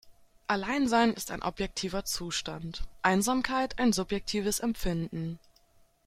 Alleinsein ist ein objektiver Zustand, Einsamkeit ein subjektives Empfinden.